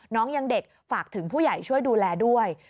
น้องยังเด็กฝากถึงผู้ใหญ่ช่วยดูแลด้วย